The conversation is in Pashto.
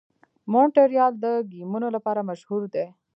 مونټریال د ګیمونو لپاره مشهور دی.